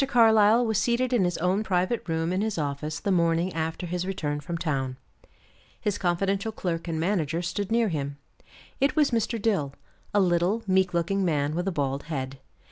Carlyle was seated in his own private room in his office the morning after his return from town. His confidential clerk and manager stood near him. It was Mr. Dill, a little, meek looking man with a bald head.